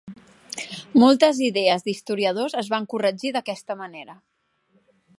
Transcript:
Moltes idees d'historiadors es van corregir d'aquesta manera.